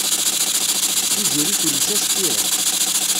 Tiziri tules-as tira.